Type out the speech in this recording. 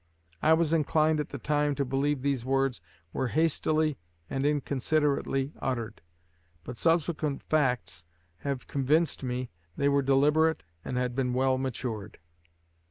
I was inclined at the time to believe these words were hastily and inconsiderately uttered; but subsequent facts have convinced me they were deliberate and had been well matured."